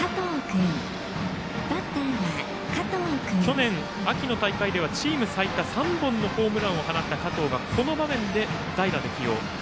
去年秋の大会ではチーム最多３本のホームランを放った加藤がこの場面で代打で起用。